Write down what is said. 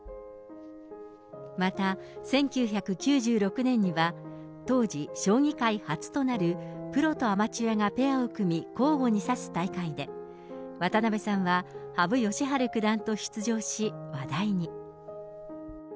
また１９９６年には、当時、将棋界初となるプロとアマチュアがペアを組み、交互に指す大会で、渡辺さんは羽生善治九段と出場し話題に。